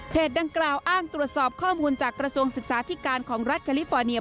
ดังกล่าวอ้างตรวจสอบข้อมูลจากกระทรวงศึกษาธิการของรัฐแคลิฟอร์เนีย